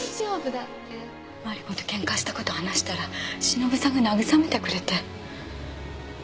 マリコとケンカした事話したら忍さんが慰めてくれて。